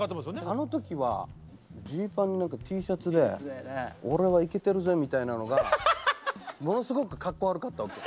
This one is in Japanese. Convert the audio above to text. あの時はジーパンにティーシャツで俺はイケてるぜみたいなのがものすごくかっこ悪かったわけ。